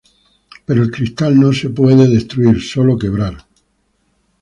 Pero el cristal no puede ser destruido, sólo quebrado.